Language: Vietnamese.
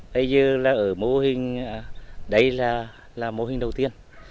bây giờ ở mô hình đây là mô hình đầu tiên